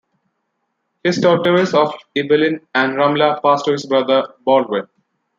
His territories of Ibelin and Ramla passed to his brother Baldwin.